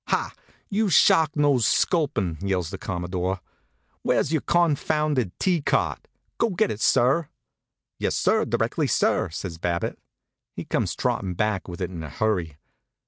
"Ha! You shark nosed sculpin!" yells the Commodore. "Where's your confounded tea cart? Go get it, sir." "Yes, sir; directly, sir," says Babbitt. He comes trottin' back with it in a hurry.